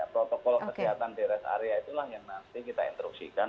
protokol kesehatan di rest area itulah yang nanti kita instruksikan